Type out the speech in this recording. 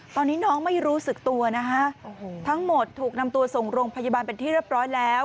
ตอนนี้น้องไม่รู้สึกตัวนะคะทั้งหมดถูกนำตัวส่งโรงพยาบาลเป็นที่เรียบร้อยแล้ว